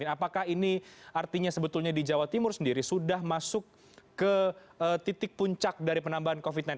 apakah ini artinya sebetulnya di jawa timur sendiri sudah masuk ke titik puncak dari penambahan covid sembilan belas